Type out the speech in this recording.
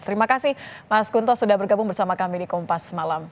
terima kasih mas kunto sudah bergabung bersama kami di kompas malam